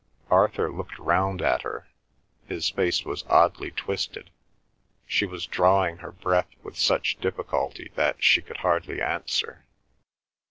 Arthur looked round at her; his face was oddly twisted. She was drawing her breath with such difficulty that she could hardly answer.